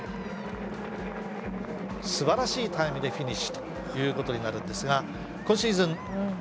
すばらしいタイムでフィニッシュということになるんですが今シーズン